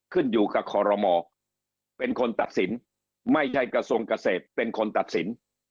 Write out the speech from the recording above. ขึ้นอยู่กับคอรมอเป็นคนตัดสินไม่ใช่กระทรวงเกษตรเป็นคนตัดสิน